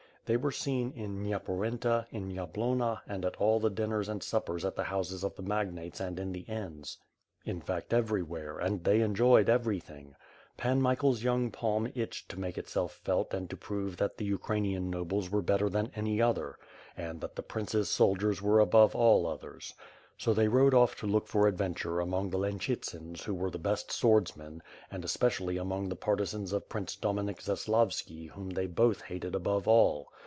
They were seen in Nyepor enta in Yablonna and at all the dinners and suppers at the houses of the magnates and in the inns; in fact everywhere, and they enjoyed everything. Pan Michael's young palm itched to make itself felt and to prove that the Ukranian nobles were better than any other; and that the Prince's sol diers are above all others. So they rode off to look for ad venture among the Lenchytsans who were the. best swords men, and especially among the partisans of Prince Dominik Zaslavski whom they both hated above all.